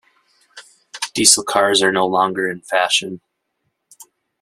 Diesel cars are no longer in fashion.